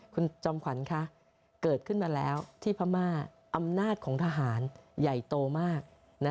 คุณจอมขวัญคะเกิดขึ้นมาแล้วที่พม่าอำนาจของทหารใหญ่โตมาก